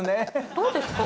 どうですか？